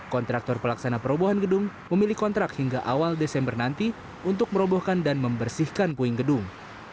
kontraktor pelaksana perobohan gedung memilih kontrak hingga awal desember nanti untuk merobohkan dan membersihkan puing gedung